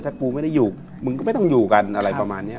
ถ้ากูไม่ได้อยู่มึงก็ไม่ต้องอยู่กันอะไรประมาณนี้